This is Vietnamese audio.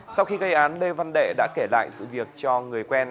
sau khi gây án lê văn đệ đã kể lại sự việc cho người quen